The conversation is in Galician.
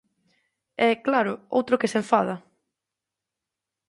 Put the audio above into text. E, claro, outro que se enfada!